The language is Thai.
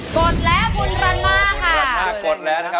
กดแล้วคุณรันหน้าค่ะ